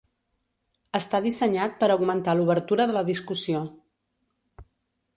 Està dissenyat per augmentar l'obertura de la discussió.